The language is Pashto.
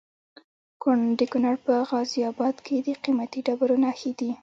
د کونړ په غازي اباد کې د قیمتي ډبرو نښې دي.